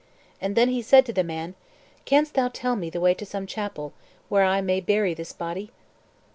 And then he said to the man, "Canst thou tell me the way to some chapel, where I may bury this body?"